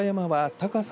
高さ